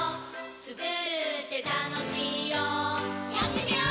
つくるってたのしいよやってみよー！